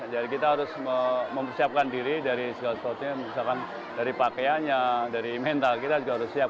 jadi kita harus mempersiapkan diri dari segala situasi misalkan dari pakaiannya dari mental kita juga harus siap